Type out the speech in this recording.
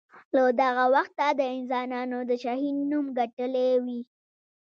له دغه وخته یې د انسانانو د شهین نوم ګټلی وي.